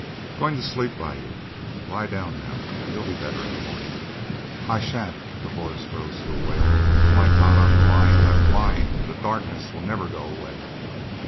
Going to sleep by you. Lie down now; you'll be better in the morning." "I shan't!" The voice rose to a wail. "My God! I'm blind! I'm blind, and the darkness will never go away."